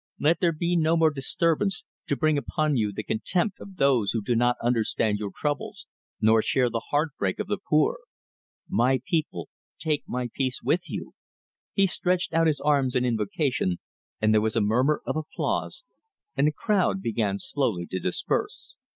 Let there be no more disturbance, to bring upon you the contempt of those who do not understand your troubles, nor share the heartbreak of the poor. My people, take my peace with you!" He stretched out his arms in invocation, and there was a murmur of applause, and the crowd began slowly to disperse.